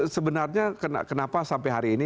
sebenarnya kenapa sampai hari ini